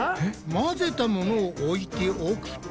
混ぜたものを置いておくと。